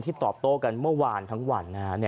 ที่ตอบโต้กันเมื่อวานทั้งวัน